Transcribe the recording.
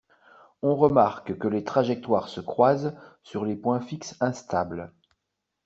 On remarque que les trajectoires se croisent sur les points fixes instables